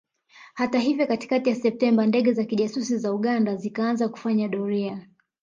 Hata hivyo katikakati ya Septemba ndege za kijasusi za Uganda zikaanza kufanya doria